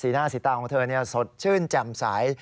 หน้าสีตาของเธอสดชื่นแจ่มใส